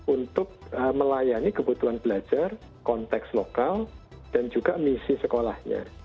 untuk melayani kebutuhan belajar konteks lokal dan juga misi sekolahnya